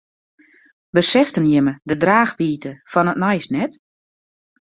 Beseften jimme de draachwiidte fan it nijs net?